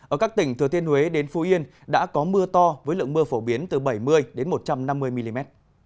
ở các tỉnh thừa thiên huế đến phú yên đã có mưa to với lượng mưa phổ biến từ bảy mươi đến một trăm năm mươi mm